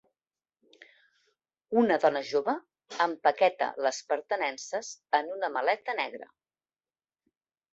Una dona jove empaqueta les pertinences en una maleta negra.